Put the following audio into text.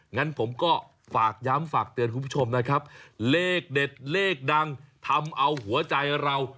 งั้นผมก็ฝากย้ำฝากเตือนคุณผู้ชมนะครับเลขเด็ดเลขดังทำเอาหัวใจเรา